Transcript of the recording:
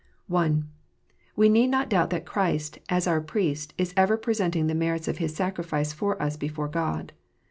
(1) We need not doubt that Christ, as our Priest, is ever presenting the merits of His sacrifice for us before God.